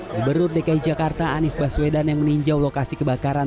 gubernur dki jakarta anies baswedan yang meninjau lokasi kebakaran